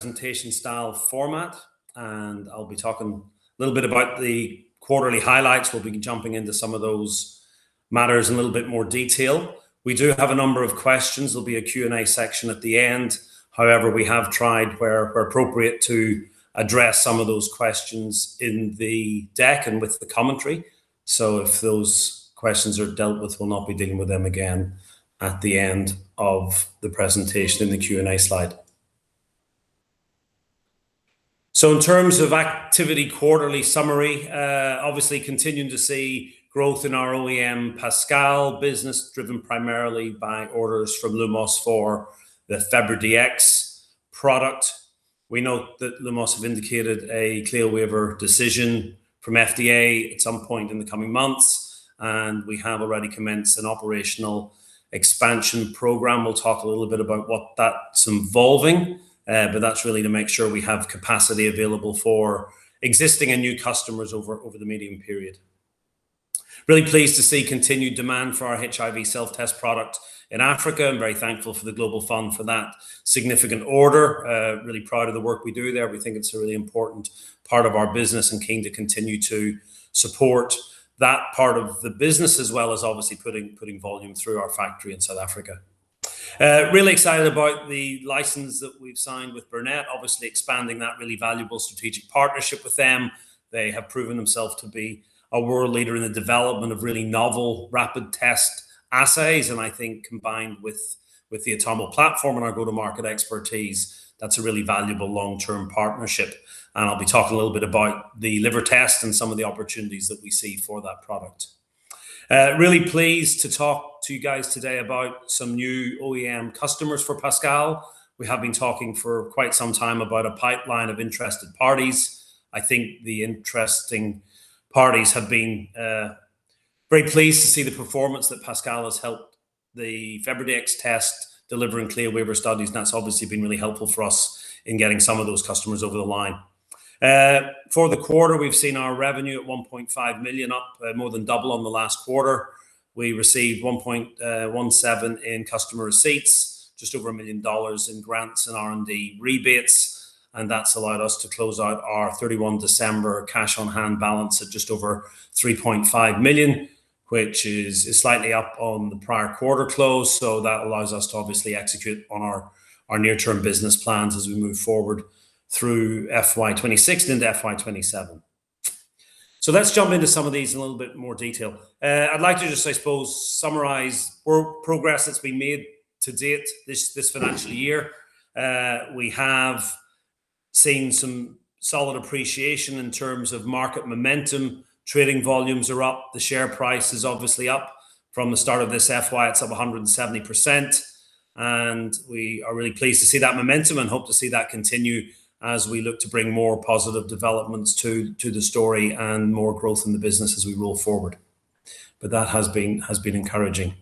Presentation style format, and I'll be talking a little bit about the quarterly highlights. We'll be jumping into some of those matters in a little bit more detail. We do have a number of questions. There'll be a Q&A section at the end. However, we have tried, where appropriate, to address some of those questions in the deck and with the commentary. So if those questions are dealt with, we'll not be dealing with them again at the end of the presentation in the Q&A slide. So in terms of activity quarterly summary, obviously continuing to see growth in our OEM Pascal business driven primarily by orders from Lumos for the FebriDx product. We know that Lumos have indicated a CLIA waiver decision from FDA at some point in the coming months, and we have already commenced an operational expansion program. We'll talk a little bit about what that's involving, but that's really to make sure we have capacity available for existing and new customers over the medium period. Really pleased to see continued demand for our HIV self-test product in Africa. I'm very thankful for the Global Fund for that significant order. Really proud of the work we do there. We think it's a really important part of our business and keen to continue to support that part of the business, as well as obviously putting volume through our factory in South Africa. Really excited about the license that we've signed with Burnet, obviously expanding that really valuable strategic partnership with them. They have proven themselves to be a world leader in the development of really novel rapid test assays, and I think combined with the Atomo platform and our go-to-market expertise, that's a really valuable long-term partnership. I'll be talking a little bit about the liver test and some of the opportunities that we see for that product. Really pleased to talk to you guys today about some new OEM customers for Pascal. We have been talking for quite some time about a pipeline of interested parties. I think the interested parties have been very pleased to see the performance that Pascal has helped the FebriDx test deliver and CLIA waiver studies, and that's obviously been really helpful for us in getting some of those customers over the line. For the quarter, we've seen our revenue at 1.5 million up, more than double on the last quarter. We received 1.17 in customer receipts, just over 1 million dollars in grants and R&D rebates, and that's allowed us to close out our 31 December cash on hand balance at just over 3.5 million, which is slightly up on the prior quarter close. That allows us to obviously execute on our near-term business plans as we move forward through FY26 and into FY27. Let's jump into some of these in a little bit more detail. I'd like to just, I suppose, summarize progress that's been made to date this financial year. We have seen some solid appreciation in terms of market momentum. Trading volumes are up. The share price is obviously up. From the start of this FY, it's up 170%, and we are really pleased to see that momentum and hope to see that continue as we look to bring more positive developments to the story and more growth in the business as we roll forward. But that has been encouraging.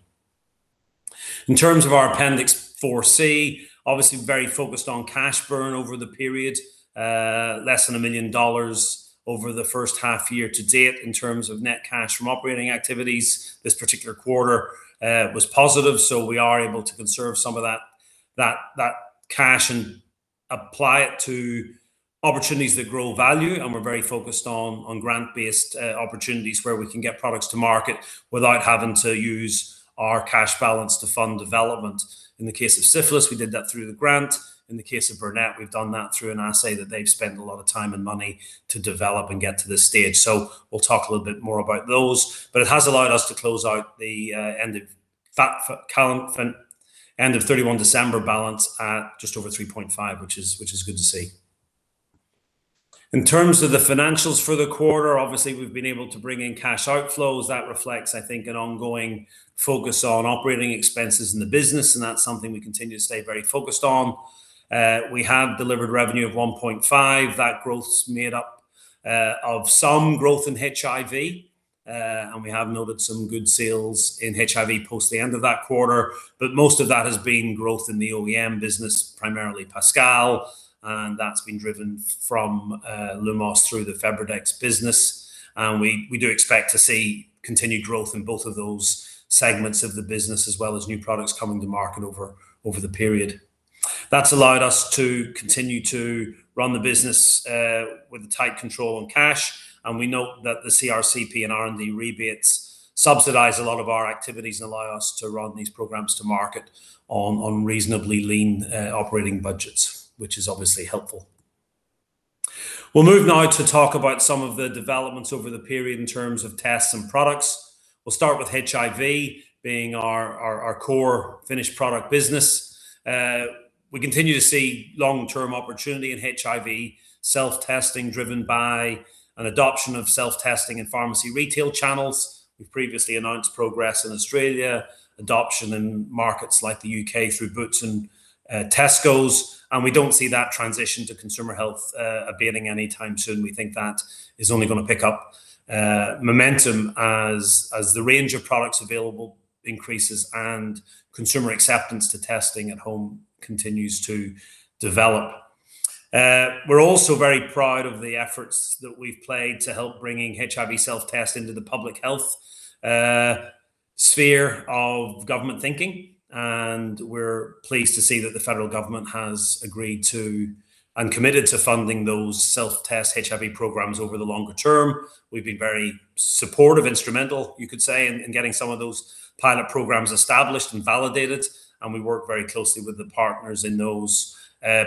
In terms of our Appendix 4C, obviously very focused on cash burn over the period, less than 1 million dollars over the first half year to date in terms of net cash from operating activities. This particular quarter was positive, so we are able to conserve some of that cash and apply it to opportunities that grow value. And we're very focused on grant-based opportunities where we can get products to market without having to use our cash balance to fund development. In the case of syphilis, we did that through the grant. In the case of Burnet, we've done that through an assay that they've spent a lot of time and money to develop and get to this stage. So we'll talk a little bit more about those, but it has allowed us to close out the end of 31 December balance at just over 3.5, which is good to see. In terms of the financials for the quarter, obviously we've been able to bring in cash outflows. That reflects, I think, an ongoing focus on operating expenses in the business, and that's something we continue to stay very focused on. We have delivered revenue of 1.5. That growth's made up of some growth in HIV, and we have noted some good sales in HIV post the end of that quarter, but most of that has been growth in the OEM business, primarily Pascal, and that's been driven from Lumos through the FebriDx business. We do expect to see continued growth in both of those segments of the business, as well as new products coming to market over the period. That's allowed us to continue to run the business with a tight control on cash, and we note that the CRC-P and R&D rebates subsidize a lot of our activities and allow us to run these programs to market on reasonably lean operating budgets, which is obviously helpful. We'll move now to talk about some of the developments over the period in terms of tests and products. We'll start with HIV being our core finished product business. We continue to see long-term opportunity in HIV self-testing driven by an adoption of self-testing and pharmacy retail channels. We've previously announced progress in Australian adoption in markets like the U.K. through Boots and Tesco's, and we don't see that transition to consumer health abating anytime soon. We think that is only going to pick up momentum as the range of products available increases and consumer acceptance to testing at home continues to develop. We're also very proud of the efforts that we've made to help bring HIV self-test into the public health sphere of government thinking, and we're pleased to see that the federal government has agreed to and committed to funding those self-test HIV programs over the longer term. We've been very supportive, instrumental, you could say, in getting some of those pilot programs established and validated, and we work very closely with the partners in those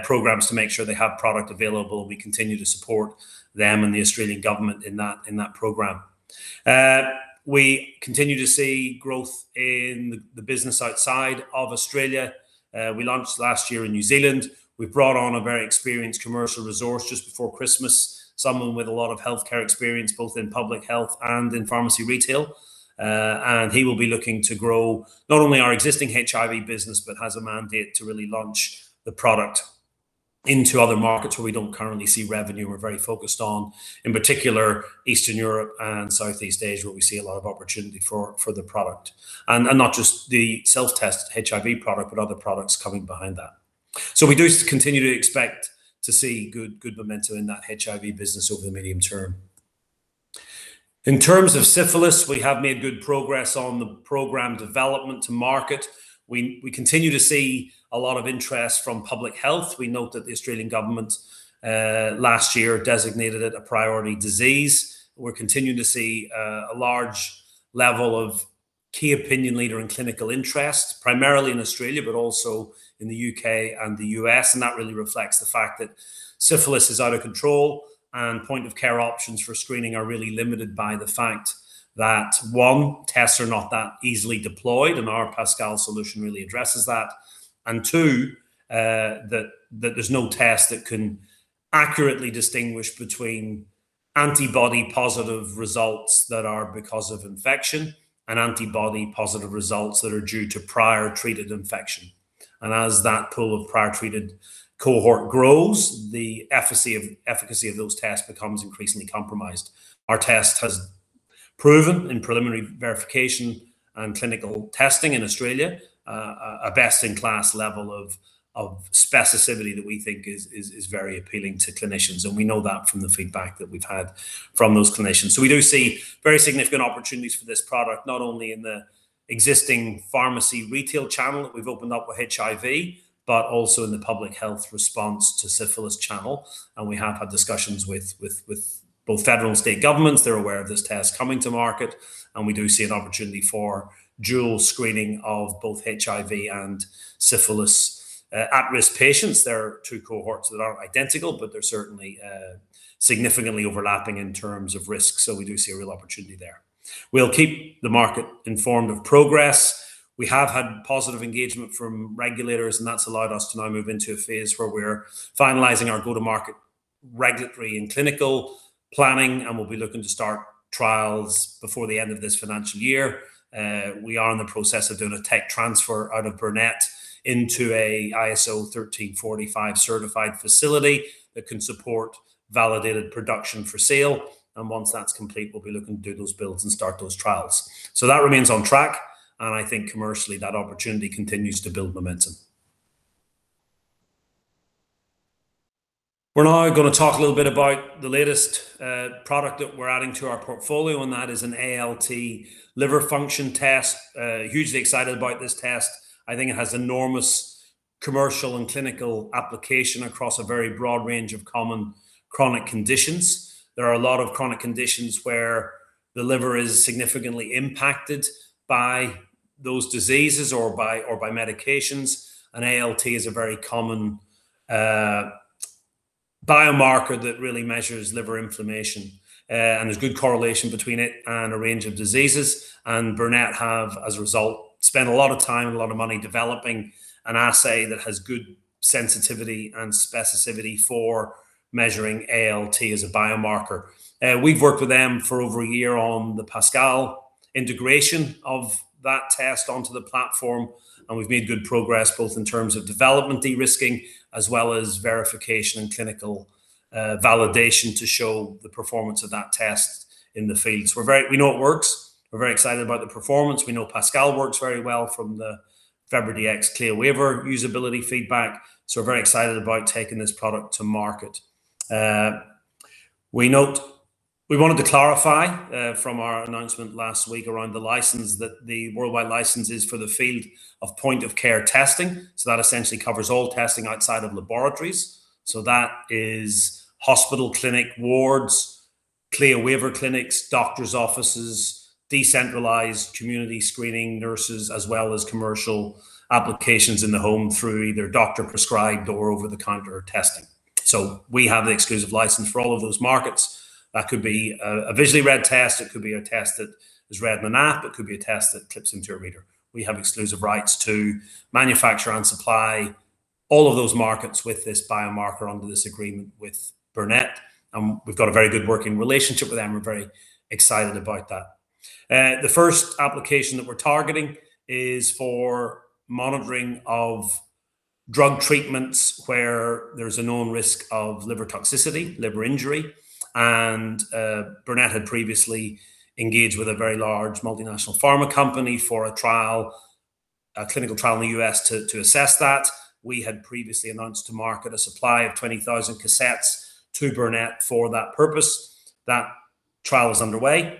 programs to make sure they have product available. We continue to support them and the Australian government in that program. We continue to see growth in the business outside of Australia. We launched last year in New Zealand. We've brought on a very experienced commercial resource just before Christmas, someone with a lot of healthcare experience both in public health and in pharmacy retail, and he will be looking to grow not only our existing HIV business but has a mandate to really launch the product into other markets where we don't currently see revenue. We're very focused on, in particular, Eastern Europe and Southeast Asia, where we see a lot of opportunity for the product, and not just the self-test HIV product, but other products coming behind that. So we do continue to expect to see good momentum in that HIV business over the medium term. In terms of syphilis, we have made good progress on the program development to market. We continue to see a lot of interest from public health. We note that the Australian government last year designated it a priority disease. We're continuing to see a large level of key opinion leader and clinical interest, primarily in Australia but also in the U.K. and the U.S., and that really reflects the fact that syphilis is out of control and point-of-care options for screening are really limited by the fact that, one, tests are not that easily deployed, and our Pascal solution really addresses that, and two, that there's no test that can accurately distinguish between antibody-positive results that are because of infection and antibody-positive results that are due to prior treated infection. As that pool of prior treated cohort grows, the efficacy of those tests becomes increasingly compromised. Our test has proven, in preliminary verification and clinical testing in Australia, a best-in-class level of specificity that we think is very appealing to clinicians, and we know that from the feedback that we've had from those clinicians. So we do see very significant opportunities for this product, not only in the existing pharmacy retail channel that we've opened up with HIV, but also in the public health response to syphilis channel. We have had discussions with both federal and state governments. They're aware of this test coming to market, and we do see an opportunity for dual screening of both HIV and syphilis at-risk patients. There are two cohorts that aren't identical, but they're certainly significantly overlapping in terms of risk, so we do see a real opportunity there. We'll keep the market informed of progress. We have had positive engagement from regulators, and that's allowed us to now move into a phase where we're finalizing our go-to-market regulatory and clinical planning, and we'll be looking to start trials before the end of this financial year. We are in the process of doing a tech transfer out of Burnet into an ISO 13485 certified facility that can support validated production for sale, and once that's complete, we'll be looking to do those builds and start those trials. So that remains on track, and I think commercially that opportunity continues to build momentum. We're now going to talk a little bit about the latest product that we're adding to our portfolio, and that is an ALT liver function test. Hugely excited about this test. I think it has enormous commercial and clinical application across a very broad range of common chronic conditions. There are a lot of chronic conditions where the liver is significantly impacted by those diseases or by medications, and ALT is a very common biomarker that really measures liver inflammation, and there's good correlation between it and a range of diseases. Burnet have, as a result, spent a lot of time and a lot of money developing an assay that has good sensitivity and specificity for measuring ALT as a biomarker. We've worked with them for over a year on the Pascal integration of that test onto the platform, and we've made good progress both in terms of development de-risking as well as verification and clinical validation to show the performance of that test in the field. So we know it works. We're very excited about the performance. We know Pascal works very well from the FebriDx CLIA waiver usability feedback, so we're very excited about taking this product to market. We wanted to clarify from our announcement last week around the license that the worldwide license is for the field of point-of-care testing, so that essentially covers all testing outside of laboratories. So that is hospital clinic wards, CLIA waiver clinics, doctor's offices, decentralized community screening, nurses, as well as commercial applications in the home through either doctor-prescribed or over-the-counter testing. So we have the exclusive license for all of those markets. That could be a visually read test. It could be a test that is read in an app. It could be a test that clips into your reader. We have exclusive rights to manufacture and supply all of those markets with this biomarker under this agreement with Burnet, and we've got a very good working relationship with them. We're very excited about that. The first application that we're targeting is for monitoring of drug treatments where there's a known risk of liver toxicity, liver injury, and Burnet had previously engaged with a very large multinational pharma company for a clinical trial in the U.S. to assess that. We had previously announced to market a supply of 20,000 cassettes to Burnet for that purpose. That trial is underway,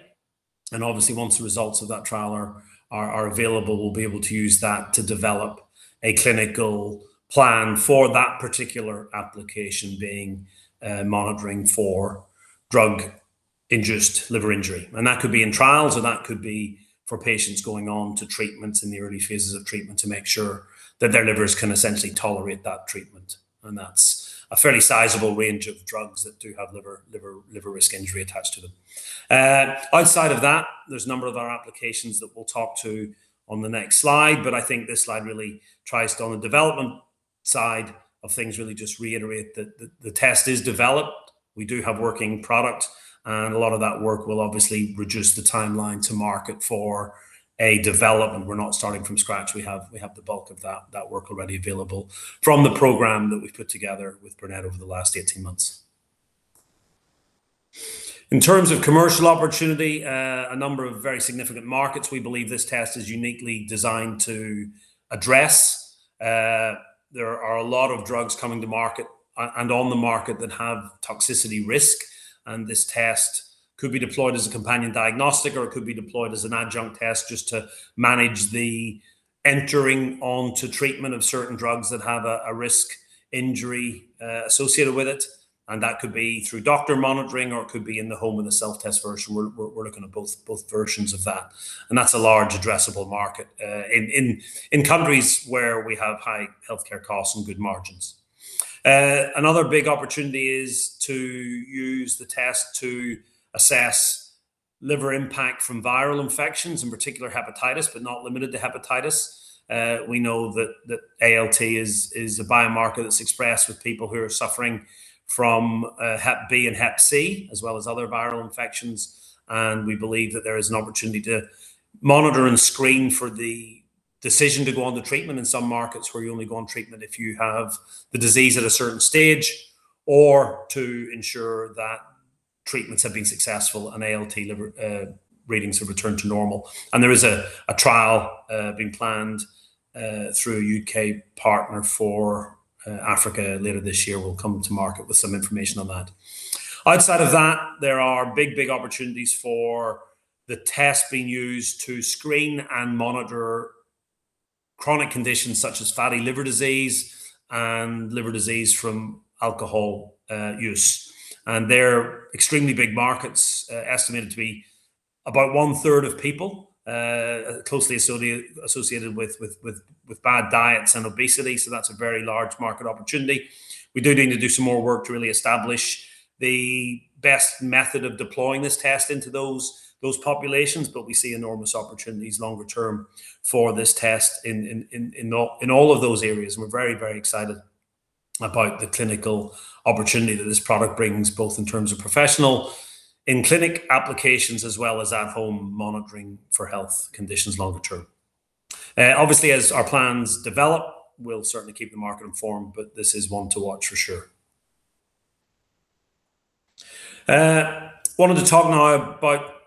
and obviously once the results of that trial are available, we'll be able to use that to develop a clinical plan for that particular application being monitoring for drug-induced liver injury. And that could be in trials, or that could be for patients going on to treatments in the early phases of treatment to make sure that their livers can essentially tolerate that treatment, and that's a fairly sizable range of drugs that do have liver risk injury attached to them. Outside of that, there's a number of other applications that we'll talk to on the next slide, but I think this slide really tries to, on the development side of things, really just reiterate that the test is developed. We do have working product, and a lot of that work will obviously reduce the timeline to market for a development. We're not starting from scratch. We have the bulk of that work already available from the program that we've put together with Burnet over the last 18 months. In terms of commercial opportunity, a number of very significant markets we believe this test is uniquely designed to address. There are a lot of drugs coming to market and on the market that have toxicity risk, and this test could be deployed as a companion diagnostic, or it could be deployed as an adjunct test just to manage the entering onto treatment of certain drugs that have a risk injury associated with it, and that could be through doctor monitoring, or it could be in the home in a self-test version. We're looking at both versions of that, and that's a large addressable market in countries where we have high healthcare costs and good margins. Another big opportunity is to use the test to assess liver impact from viral infections, in particular hepatitis, but not limited to hepatitis. We know that ALT is a biomarker that's expressed with people who are suffering from Hep B and Hep C, as well as other viral infections, and we believe that there is an opportunity to monitor and screen for the decision to go on to treatment in some markets where you only go on treatment if you have the disease at a certain stage, or to ensure that treatments have been successful and ALT readings have returned to normal. There is a trial being planned through a U.K. partner for Africa later this year. We'll come to market with some information on that. Outside of that, there are big, big opportunities for the test being used to screen and monitor chronic conditions such as fatty liver disease and liver disease from alcohol use, and they're extremely big markets, estimated to be about one-third of people closely associated with bad diets and obesity, so that's a very large market opportunity. We do need to do some more work to really establish the best method of deploying this test into those populations, but we see enormous opportunities longer term for this test in all of those areas, and we're very, very excited about the clinical opportunity that this product brings, both in terms of professional in-clinic applications as well as at-home monitoring for health conditions longer term. Obviously, as our plans develop, we'll certainly keep the market informed, but this is one to watch for sure. Wanted to talk now about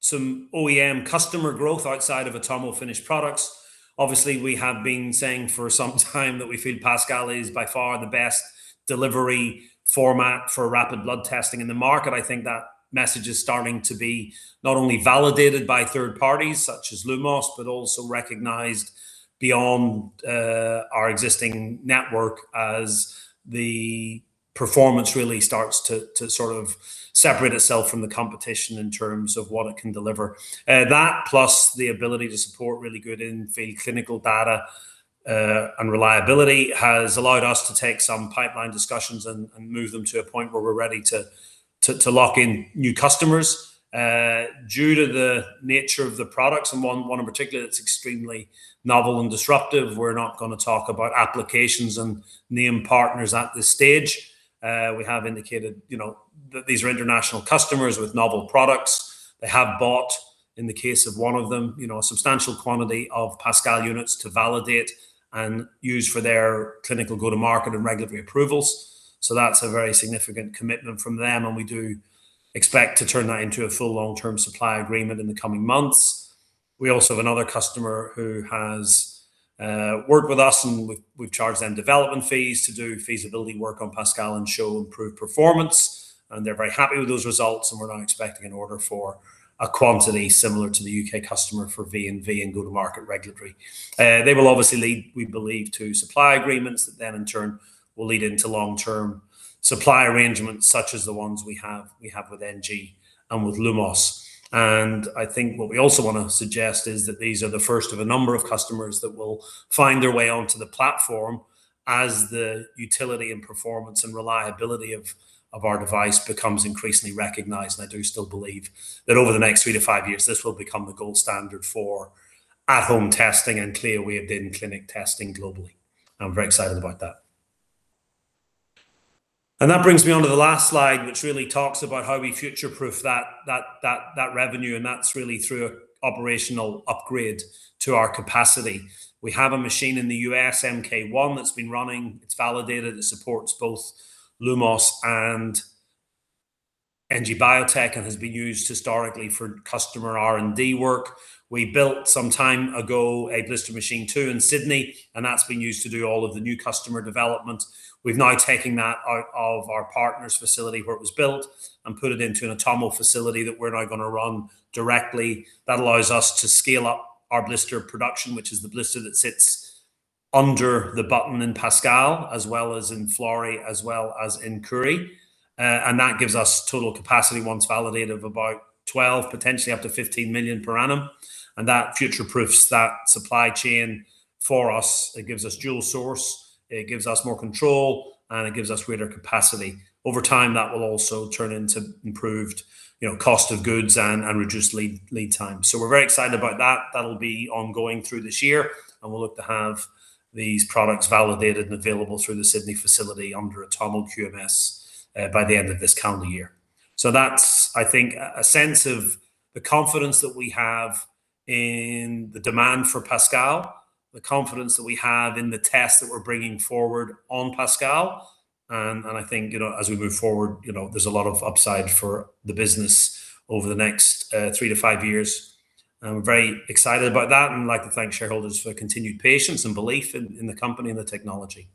some OEM customer growth outside of Atomo finished products. Obviously, we have been saying for some time that we feel Pascal is by far the best delivery format for rapid blood testing in the market. I think that message is starting to be not only validated by third parties such as Lumos, but also recognized beyond our existing network as the performance really starts to sort of separate itself from the competition in terms of what it can deliver. That, plus the ability to support really good in-field clinical data and reliability, has allowed us to take some pipeline discussions and move them to a point where we're ready to lock in new customers. Due to the nature of the products, and one in particular that's extremely novel and disruptive, we're not going to talk about applications and name partners at this stage. We have indicated that these are international customers with novel products. They have bought, in the case of one of them, a substantial quantity of Pascal units to validate and use for their clinical go-to-market and regulatory approvals, so that's a very significant commitment from them, and we do expect to turn that into a full long-term supply agreement in the coming months. We also have another customer who has worked with us, and we've charged them development fees to do feasibility work on Pascal and show improved performance, and they're very happy with those results, and we're now expecting an order for a quantity similar to the UK customer for V&V and go-to-market regulatory. They will obviously lead, we believe, to supply agreements that then in turn will lead into long-term supply arrangements such as the ones we have with NG and with Lumos. I think what we also want to suggest is that these are the first of a number of customers that will find their way onto the platform as the utility and performance and reliability of our device becomes increasingly recognized, and I do still believe that over the next three to five years, this will become the gold standard for at-home testing and CLIA-waived in-clinic testing globally. I'm very excited about that. That brings me on to the last slide, which really talks about how we future-proof that revenue, and that's really through an operational upgrade to our capacity. We have a machine in the U.S., Mk1, that's been running. It's validated. It supports both Lumos and NG Biotech and has been used historically for customer R&D work. We built some time ago a blister machine 2 in Sydney, and that's been used to do all of the new customer development. We've now taken that out of our partner's facility where it was built and put it into an Atomo facility that we're now going to run directly. That allows us to scale up our blister production, which is the blister that sits under the button in Pascal, as well as in Florey, as well as in Curie, and that gives us total capacity once validated of about 12, potentially up to 15 million per annum, and that future-proofs that supply chain for us. It gives us dual source. It gives us more control, and it gives us greater capacity. Over time, that will also turn into improved cost of goods and reduced lead time. So we're very excited about that. That'll be ongoing through this year, and we'll look to have these products validated and available through the Sydney facility under Atomo QMS by the end of this calendar year. So that's, I think, a sense of the confidence that we have in the demand for Pascal, the confidence that we have in the test that we're bringing forward on Pascal, and I think as we move forward, there's a lot of upside for the business over the next 3-5 years. I'm very excited about that, and I'd like to thank shareholders for continued patience and belief in the company and the technology.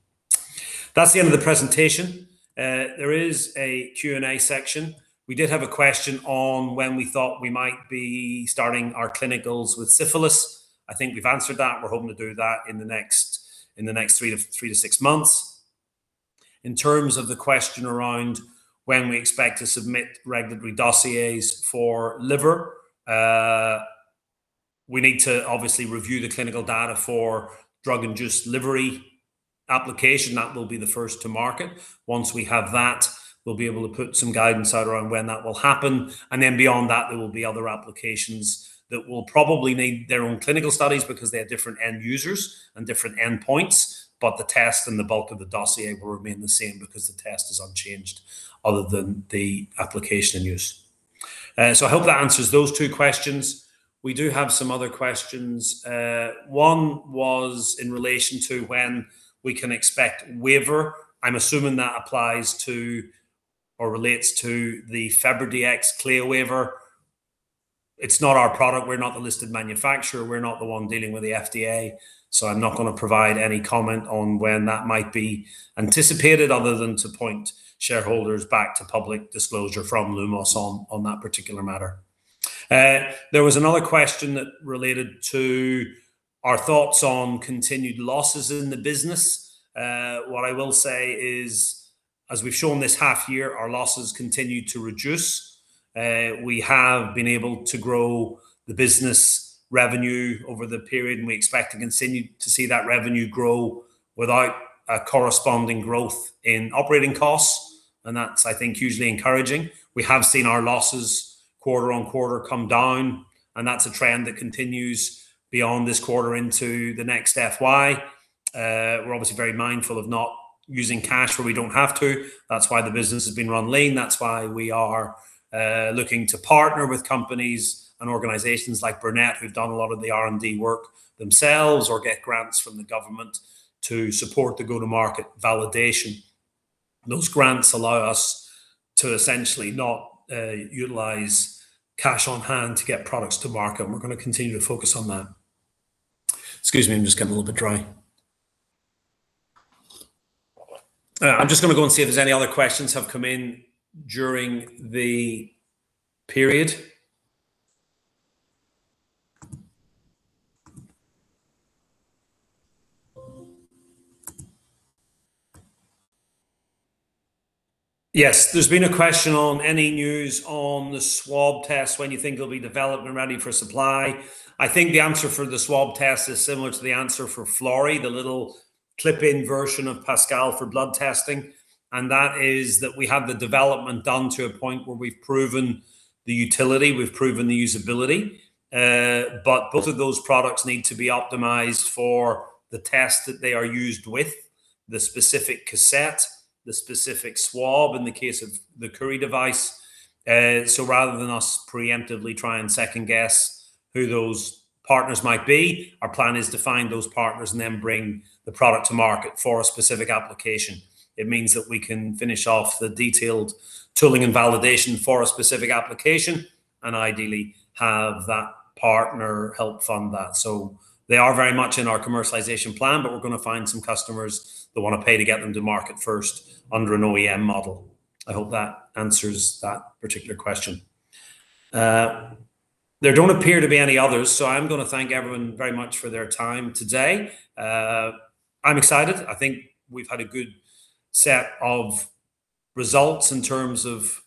That's the end of the presentation. There is a Q&A section. We did have a question on when we thought we might be starting our clinicals with syphilis. I think we've answered that. We're hoping to do that in the next 3-6 months. In terms of the question around when we expect to submit regulatory dossiers for liver, we need to obviously review the clinical data for drug-induced liver injury application. That will be the first to market. Once we have that, we'll be able to put some guidance out around when that will happen, and then beyond that, there will be other applications that will probably need their own clinical studies because they have different end users and different end points, but the test and the bulk of the dossier will remain the same because the test is unchanged other than the application use. So I hope that answers those two questions. We do have some other questions. One was in relation to when we can expect waiver. I'm assuming that applies to or relates to the FebriDx CLIA waiver. It's not our product. We're not the listed manufacturer. We're not the one dealing with the FDA, so I'm not going to provide any comment on when that might be anticipated other than to point shareholders back to public disclosure from Lumos on that particular matter. There was another question that related to our thoughts on continued losses in the business. What I will say is, as we've shown this half year, our losses continue to reduce. We have been able to grow the business revenue over the period, and we expect to continue to see that revenue grow without a corresponding growth in operating costs, and that's, I think, hugely encouraging. We have seen our losses quarter on quarter come down, and that's a trend that continues beyond this quarter into the next FY. We're obviously very mindful of not using cash where we don't have to. That's why the business has been run lean. That's why we are looking to partner with companies and organizations like Burnet, who've done a lot of the R&D work themselves or get grants from the government to support the go-to-market validation. Those grants allow us to essentially not utilize cash on hand to get products to market, and we're going to continue to focus on that. Excuse me, I'm just getting a little bit dry. I'm just going to go and see if there's any other questions that have come in during the period. Yes, there's been a question on any news on the swab test when you think it'll be developed and ready for supply. I think the answer for the swab test is similar to the answer for Florey, the little clip-in version of Pascal for blood testing, and that is that we have the development done to a point where we've proven the utility. We've proven the usability, but both of those products need to be optimized for the test that they are used with, the specific cassette, the specific swab in the case of the Curie device. So rather than us preemptively try and second-guess who those partners might be, our plan is to find those partners and then bring the product to market for a specific application. It means that we can finish off the detailed tooling and validation for a specific application and ideally have that partner help fund that. So they are very much in our commercialization plan, but we're going to find some customers that want to pay to get them to market first under an OEM model. I hope that answers that particular question. There don't appear to be any others, so I'm going to thank everyone very much for their time today. I'm excited. I think we've had a good set of results in terms of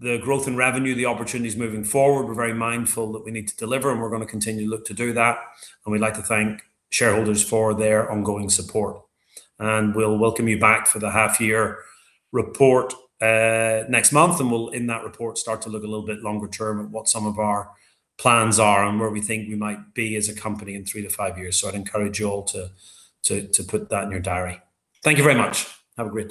the growth in revenue, the opportunities moving forward. We're very mindful that we need to deliver, and we're going to continue to look to do that, and we'd like to thank shareholders for their ongoing support. We'll welcome you back for the half-year report next month, and we'll, in that report, start to look a little bit longer term at what some of our plans are and where we think we might be as a company in three to five years, so I'd encourage you all to put that in your diary. Thank you very much. Have a great day.